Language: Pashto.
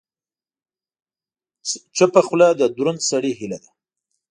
چپه خوله، د دروند سړي هیله ده.